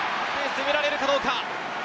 攻められるかどうか。